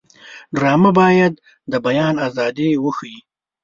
ډرامه باید د بیان ازادي وښيي